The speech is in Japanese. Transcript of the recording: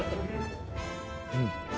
うん。